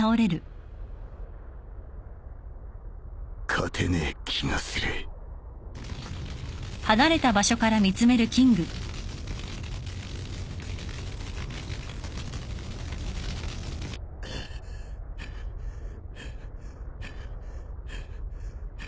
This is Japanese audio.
勝てねえ気がするハァハァハァ。